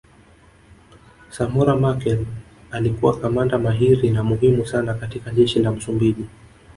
Samora Machel alikuwa kamanda mahiri na muhimu sana katika jeshi la Msumbiji